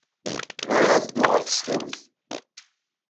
Bɣiɣ ad dduɣ ɣer tesdawit.